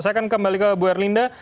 saya akan kembali ke bu erlinda